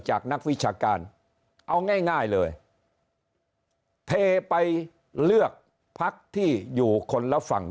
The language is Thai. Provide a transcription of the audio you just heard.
จากนักวิชาการเอาง่ายเลยเทไปเลือกพักที่อยู่คนละฝั่ง